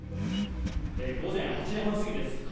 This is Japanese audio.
午前８時半過ぎです。